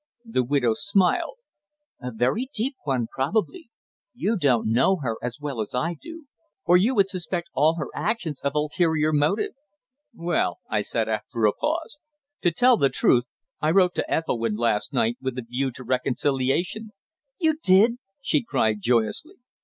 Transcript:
The widow smiled. "A very deep one, probably. You don't know her as well as I do, or you would suspect all her actions of ulterior motive." "Well," I said, after a pause, "to tell the truth, I wrote to Ethelwynn last night with a view to reconciliation." "You did!" she cried joyously.